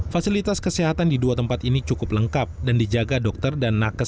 fasilitas kesehatan di dua tempat ini cukup lengkap dan dijaga dokter dan nakes